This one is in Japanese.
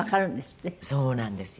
そうなんですよ。